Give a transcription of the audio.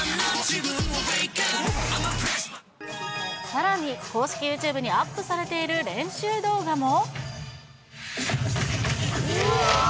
さらに、公式ユーチューブにアップされている練習動画も。